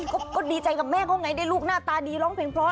ก็ดีใจกับแม่เขาไงได้ลูกหน้าตาดีร้องเพลงเพราะ